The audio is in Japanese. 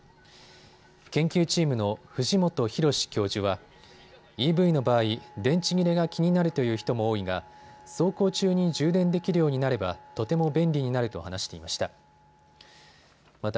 研究チームの藤本博志教授はＥＶの場合、電池切れが気になるという人も多いが走行中に充電できるようになればとても便利になると話していました。